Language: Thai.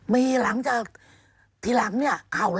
มีหลังจากทีหลังเนี่ย